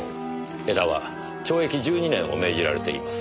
江田は懲役１２年を命じられています。